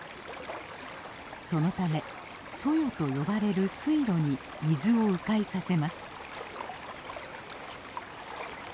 そのため「そよ」と呼ばれる水路に水をう回させます。